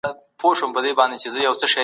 د مدني زده کړو مضمون ولې د نصاب څخه لیرې سو؟